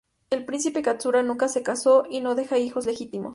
El Príncipe Katsura nunca se casó y no deja hijos legítimos.